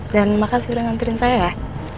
dan makasih udah nganturin saya ya